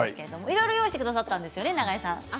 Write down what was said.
いろいろ用意してくださったんですよね。